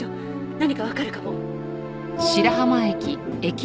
何かわかるかも。